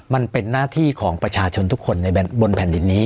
มันเป็นหน้าที่ของประชาชนทุกคนในบนแผ่นดินนี้